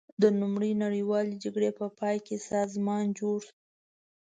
د لومړۍ نړیوالې جګړې په پای کې سازمان جوړ شو.